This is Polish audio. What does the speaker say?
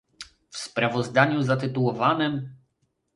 W sprawozdaniu zatytułowanym